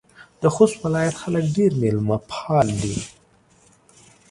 د خوست ولایت خلک ډېر میلمه پاله دي.